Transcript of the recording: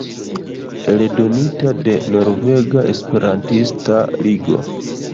Eldonita de Norvega Esperantista Ligo.